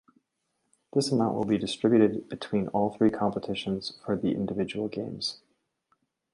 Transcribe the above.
This amount will be distributed between all three competitions for the individual games.